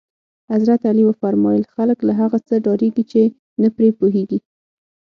حضرت علی فرمایل: خلک له هغه څه ډارېږي چې نه پرې پوهېږي.